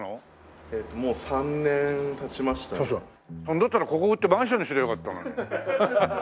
だったらここを売ってマンションにすりゃよかったのに。